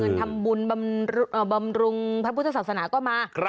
ทำบุญบำรุงพระพุทธศาสนาก็มา